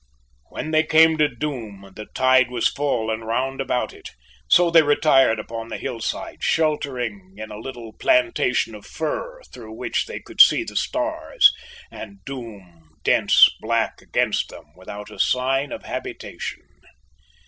When they came to Doom the tide was full and round about it, so they retired upon the hillside, sheltering in a little plantation of fir through which they could see the stars, and Doom dense black against them without a sign of habitation.